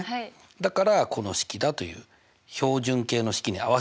だからこの式だという標準形の式に合わせてくれたのね。